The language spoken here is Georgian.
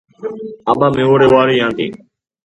აბა მეორე ვარიანტი.